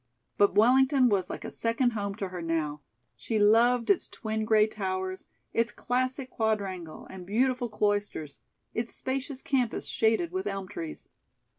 But Wellington was like a second home to her now. She loved its twin gray towers, its classic quadrangle and beautiful cloisters; its spacious campus shaded with elm trees.